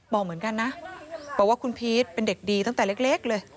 บอกเหมือนกันนะบอกว่าคุณพีชเป็นเด็กดีตั้งแต่เล็กเลย